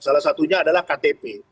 salah satunya adalah ktp